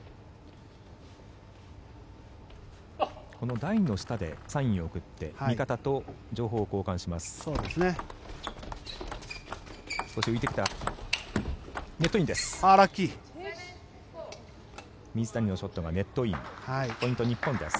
この台の下でサインを送って味方と情報を交換します。